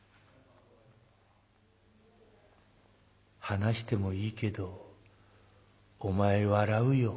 「話してもいいけどお前笑うよ」。